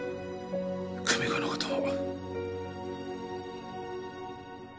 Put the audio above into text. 久美子のことも。